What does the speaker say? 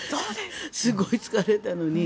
すごい疲れたのに。